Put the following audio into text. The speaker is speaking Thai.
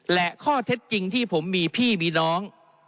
และข้อเท็จจริงที่ผมมีพี่มีน้อง